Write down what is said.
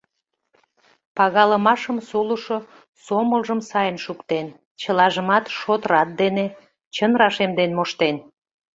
Пагалымашым сулышо сомылжым сайын шуктен, чылажымат шот-рат дене, чын рашемден моштен.